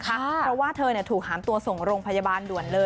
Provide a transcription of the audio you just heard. เพราะว่าเธอถูกหามตัวส่งโรงพยาบาลด่วนเลย